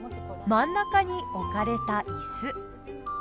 真ん中に置かれた椅子。